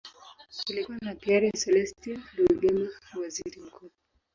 Kulikuwa na Pierre Celestin Rwigema, waziri mkuu.